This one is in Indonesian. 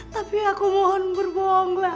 tapi aku mohon berbohonglah